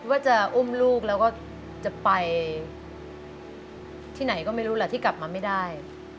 ว่าจะอุ้มลูกแล้วก็จะไปที่ไหนก็ไม่รู้แหละที่กลับมาไม่ได้